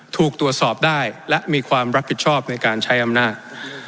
ถูกตรวจสอบได้และมีความรับผิดชอบในการใช้อำนาจ